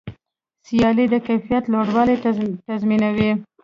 سیالي د کیفیت لوړوالی تضمینوي.